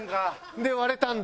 で割れたんだ。